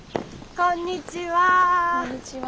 こんにちは。